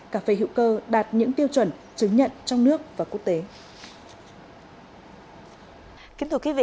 cà phê hữu cơ đạt những tiêu chuẩn chứng nhận trong nước và quốc tế